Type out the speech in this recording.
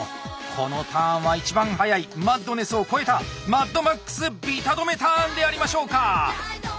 このターンは一番速いマッドネスを超えた「マッドマックスビタどめターン」でありましょうか！